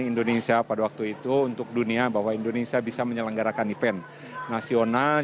indonesia pada waktu itu untuk dunia bahwa indonesia bisa menyelenggarakan event nasional